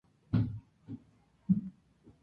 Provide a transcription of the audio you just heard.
Su abdomen es muy largo y delgado.